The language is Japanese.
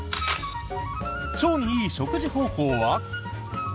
腸にいい食事方法は？